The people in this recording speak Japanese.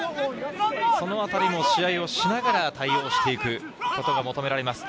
そのあたりも試合をしながら対応していくことが求められます。